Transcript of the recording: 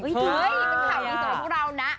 เฮ้ยมีข่าวดีต่อมาพวกเรานะ